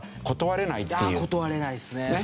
断れないですねそれは。